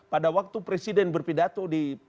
pada waktu presiden berpidato di